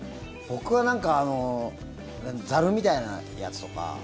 僕はザルみたいなやつとか。